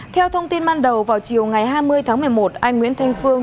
theo thông tin ban đầu vào chiều ngày hai mươi tháng một mươi một anh nguyễn thanh phương